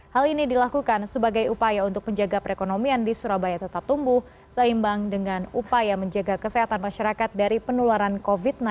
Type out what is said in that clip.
hal ini dilakukan sebagai upaya untuk menjaga perekonomian di surabaya tetap tumbuh seimbang dengan upaya menjaga kesehatan masyarakat dari penularan covid sembilan belas